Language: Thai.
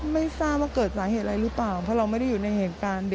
ไม่ทราบว่าเกิดสาเหตุอะไรหรือเปล่าเพราะเราไม่ได้อยู่ในเหตุการณ์